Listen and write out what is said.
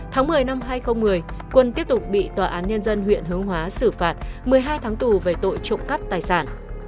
tháng một mươi năm hai nghìn một mươi quân tiếp tục bị tòa án nhân dân huyện hướng hóa xử phạt một mươi hai tháng tù về tội trộm cắp tài sản